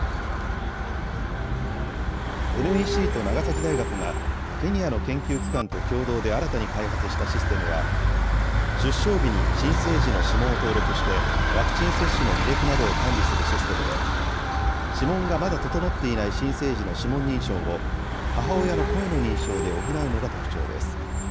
ＮＥＣと長崎大学が、ケニアの研究機関と共同で新たに開発したシステムは、出生日に新生児の指紋を登録して、ワクチン接種の履歴などを管理するシステムで、指紋がまだ整っていない新生児の指紋認証を、母親の声の認証で補うのが特徴です。